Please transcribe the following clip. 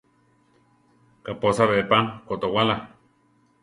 Kaʼpósa be pa kotowála?